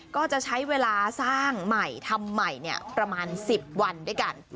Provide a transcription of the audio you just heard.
ก็จะใช้เวลาสร้างใหม่ทำใหม่ประมาณ๑๐วันด้วยกัน